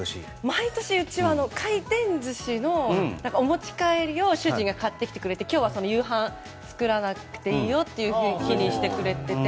毎年、うちは回転寿司のお持ち帰りを主人が買ってきてくれて今日は夕飯作らなくていいよという日にしてくれていて。